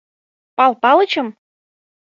Пал Палычым?